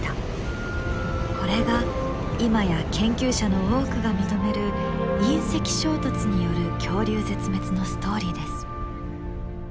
これが今や研究者の多くが認める隕石衝突による恐竜絶滅のストーリーです。